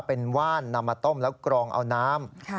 เป็นว่านนำมาต้มแล้วกรองเอาน้ำ